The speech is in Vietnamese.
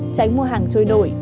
tránh mua hàng trôi nổi